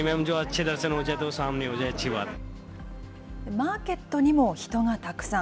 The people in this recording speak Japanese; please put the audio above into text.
マーケットにも人がたくさん。